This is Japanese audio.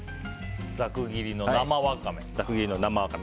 ざく切りの生ワカメ。